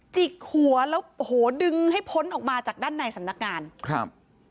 จิกหัวแล้วโอ้โหดึงให้พ้นออกมาจากด้านในสำนักงานครับ